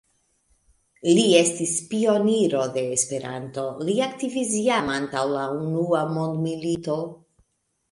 Li estis pioniro de Esperanto; li aktivis jam antaŭ la unua mondmilito.